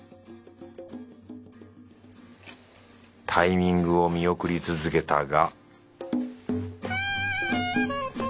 タイミングを見送り続けたが